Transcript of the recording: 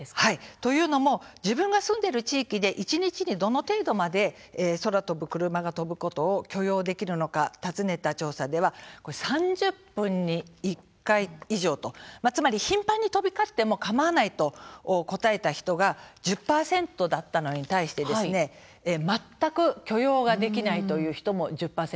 というのも自分が住んでいる地域で一日にどこまで空飛ぶクルマが飛ぶことを許容できるか尋ねた調査では３０分に１回以上つまり頻繁に飛び交ってもかまわないと答えた人が１０％だったのに対して全く許容ができないという人も１０％。